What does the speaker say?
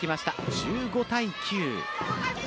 １５対９。